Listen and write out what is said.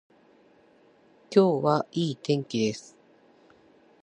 今日はいい天気です。